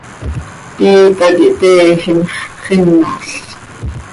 Piita quih teejim x, xinal.